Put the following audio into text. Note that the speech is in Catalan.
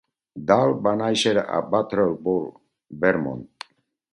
Dahl va néixer a Brattleboro, Vermont.